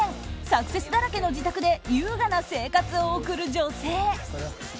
サクセスだらけの自宅で優雅な生活を送る女性。